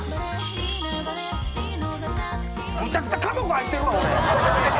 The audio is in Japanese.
むちゃくちゃ家族愛してるわ俺。